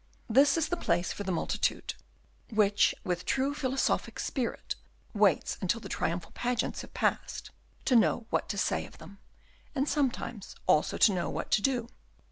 This is the place for the multitude, which with true philosophic spirit, waits until the triumphal pageants have passed, to know what to say of them, and sometimes also to know what to do.